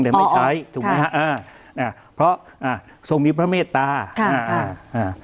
ไม่ใช้ถูกไหมฮะอ่าอ่าเพราะอ่าทรงมีพระเมตตาค่ะอ่าอ่า